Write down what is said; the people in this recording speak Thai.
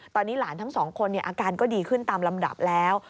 ตอนนี้หลานทั้งสองคนอาการก็ดีขึ้นตามลำดับแล้ว